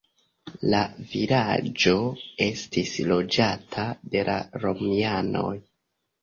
La vilaĝo estis loĝata de la romianoj.